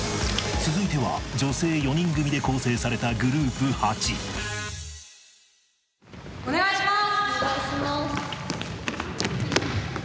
・続いては女性４人組で構成された・お願いします